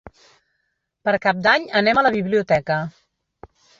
Per Cap d'Any anem a la biblioteca.